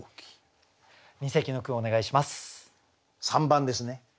３番ですね。